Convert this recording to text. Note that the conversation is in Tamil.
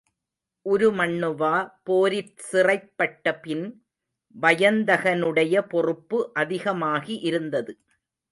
உருமண்ணுவா போரிற் சிறைப்பட்ட பின் வயந்தகனுடைய பொறுப்பு அதிகமாகி இருந்தது.